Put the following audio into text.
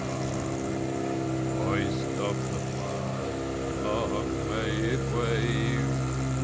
"Chorus.— Hoist up the flag, long may it wave!